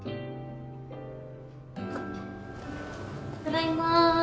ただいま。